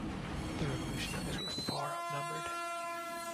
The revolutionaries were far outnumbered.